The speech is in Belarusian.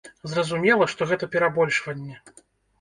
Зразумела, што гэта перабольшванне.